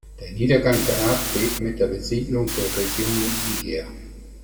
Der Niedergang der Art geht mit der Besiedlung der Region einher.